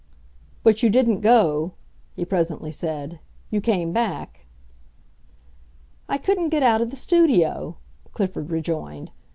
"But you didn't go," he presently said; "you came back." "I couldn't get out of the studio," Clifford rejoined.